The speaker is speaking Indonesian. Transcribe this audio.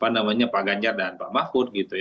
namanya pak ganjar dan pak mahfud gitu ya